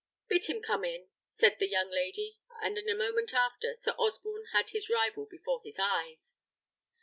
"Bid him come in," said the young lady, and in a moment after, Sir Osborne had his rival before his eyes.